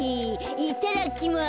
いただきます。